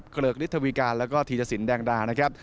เกริกฤทธวิกาและธีรศิลป์แดงดา